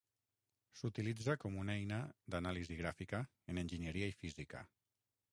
S'utilitza com una eina d'anàlisi gràfica en enginyeria i física.